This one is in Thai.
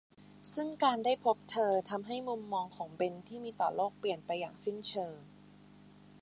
ซึ่งการได้พบเธอทำให้มุมมองของเบนที่มีต่อโลกเปลี่ยนไปอย่างสิ้นเชิง